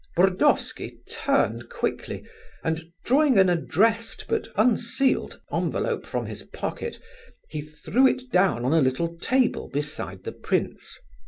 Burdovsky turned quickly, and drawing an addressed but unsealed envelope from his pocket, he threw it down on a little table beside the prince.